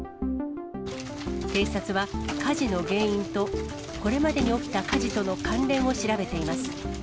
警察は火事の原因とこれまでに起きた火事との関連を調べています。